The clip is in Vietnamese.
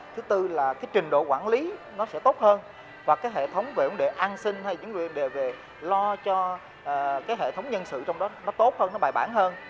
thứ tư là trình độ quản lý nó sẽ tốt hơn và hệ thống về vấn đề an sinh hay những vấn đề về lo cho hệ thống nhân sự trong đó tốt hơn bài bản hơn